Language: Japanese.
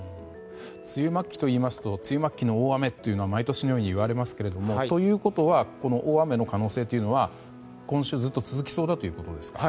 梅雨末期といいますと梅雨末期の大雨というのは毎年のように言われますがということはこの大雨の可能性というのは今週ずっと続きそうということですか。